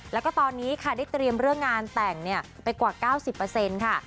แล้วก็ตอนนี้ค่ะได้เตรียมเรื่องงานแต่งไปกว่า๙๐ค่ะ